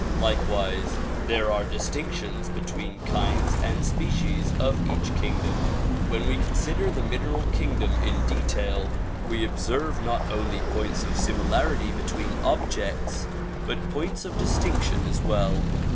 Likewise there are distinctions between kinds and species of each kingdom. When we consider the mineral kingdom in detail, we observe not only points of similarity between objects but points of distinction as well.